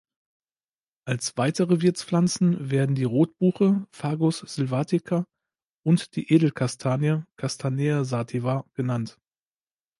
Als weitere Wirtspflanzen werden die Rotbuche ("Fagus sylvatica") und die Edelkastanie ("Castanea sativa") genannt.